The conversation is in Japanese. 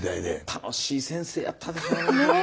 楽しい先生やったでしょうね。